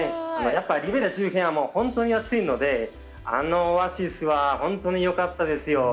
やっぱりリベリア周辺は本当に暑いので、あのオアシスは本当によかったですよ。